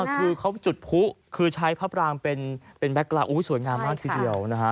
ก็คือเขาจุดพุคือใช้ภาพรางเป็นแบ็คกราบสวยงามมากทีเดียว